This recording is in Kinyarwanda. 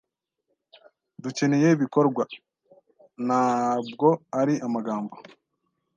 Dukeneye ibikorwa, ntabwo ari amagambo.